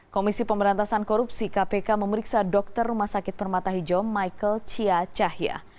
komisi pemberantasan korupsi kpk memeriksa dokter rumah sakit permata hijau michael cia cahya